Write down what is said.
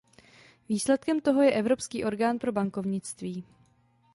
Výsledkem toho je Evropský orgán pro bankovnictví.